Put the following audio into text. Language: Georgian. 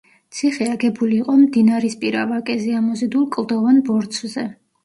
ციხე აგებული იყო მდინარისპირა ვაკეზე ამოზიდულ კლდოვან ბორცვზე.